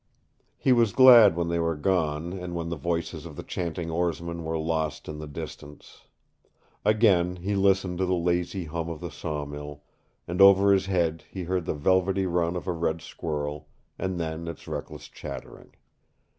He was glad when they were gone and when the voices of the chanting oarsmen were lost in the distance. Again he listened to the lazy hum of the sawmill, and over his head he heard the velvety run of a red squirrel and then its reckless chattering.